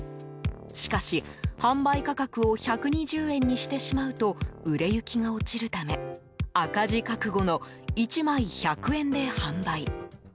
しかし、販売価格を１２０円にしてしまうと売れ行きが落ちるため赤字覚悟の１枚１００円で販売。